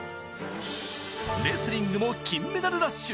レスリングも金メダルラッシュ。